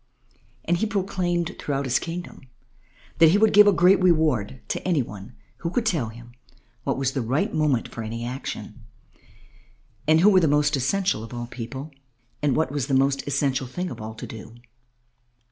And he proclaimed throughout his kingdom that he would give a great reward to any one who could tell him what was the right moment for any action, and who were the most essential of all people, and what was the most essential thing of all to do.